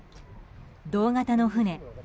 同型の船